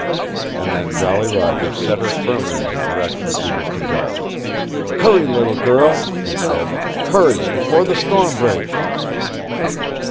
And then Jolly Roger set her firmly in the direction she was to go. "Hurry, little girl," he said. "Hurry before the storm breaks!"